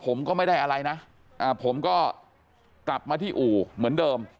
ผมก็ไม่ได้อะไรนะผมก็กลับมาที่อู่เหมือนเดิม